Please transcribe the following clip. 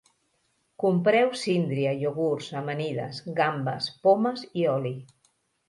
Compreu síndria, iogurts, amanides, gambes, pomes i oli